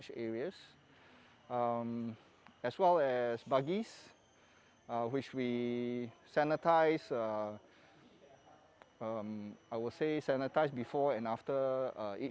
kami juga meningkatkan frekuensi pembersih